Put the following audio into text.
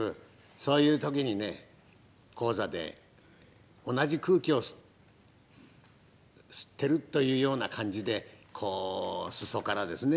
そういう時にね高座で同じ空気を吸ってるというような感じでこう裾からですね